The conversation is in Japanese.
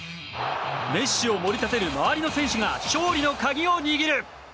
メッシを盛り立てる周りの選手が勝利の鍵を握る。